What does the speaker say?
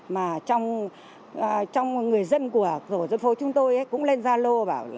mà trong người dân của dân phố chúng tôi cũng lên gia lô